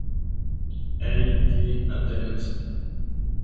E. K. Atenas.